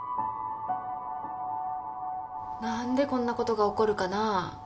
何でこんなことが起こるかな？